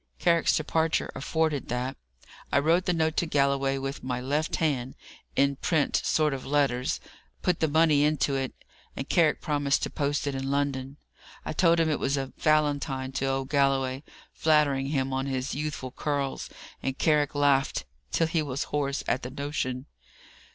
Carrick's departure afforded that. I wrote the note to Galloway with my left hand, in print sort of letters, put the money into it, and Carrick promised to post it in London. I told him it was a Valentine to old Galloway, flattering him on his youthful curls, and Carrick laughed till he was hoarse, at the notion.